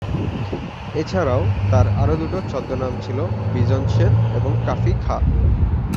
এছাড়াও তার আরো দুটো ছদ্মনাম ছিলো বিজন সেন এবং কাফি খাঁ।